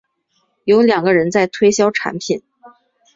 有两个人在推销产品